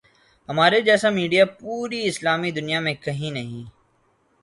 ہمارے جیسا میڈیا پوری اسلامی دنیا میں کہیں نہیں۔